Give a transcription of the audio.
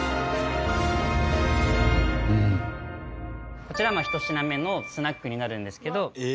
こちら１品目のスナックになるんですけど。